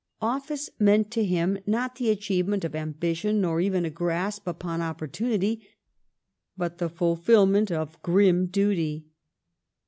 Office meant to him not the achievement of ambi tion nor even a grasp upon opportunity, but the fulfilment of grim duty.